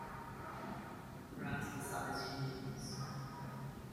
They do not parasitise humans.